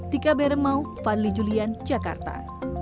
tika beremau fadli julian jakarta